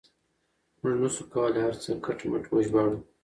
موږ نه شو کولای هر څه کټ مټ وژباړو.